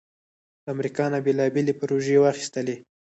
د امریکا نه بیلابیلې پروژې واخستلې